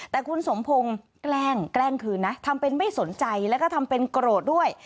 แต่คุณสมพงศ์แกล้งแกล้งคืนนะทำเป็นไม่สนใจแล้วก็ทำเป็นโกรธด้วย